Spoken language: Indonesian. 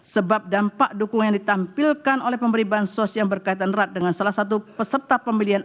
sebab dampak dukungan yang ditampilkan oleh pemberi bansos yang berkaitan erat dengan salah satu peserta pemilihan umum